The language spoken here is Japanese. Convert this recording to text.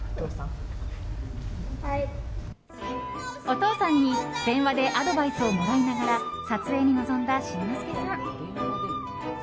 お父さんに電話でアドバイスをもらいながら撮影に臨んだ新之助さん。